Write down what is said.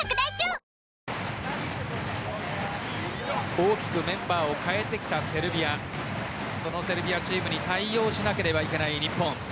大きくメンバーを代えてきたセルビアそのセルビアチームに対応しなければいけない日本。